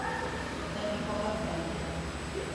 Tenir poca empenta.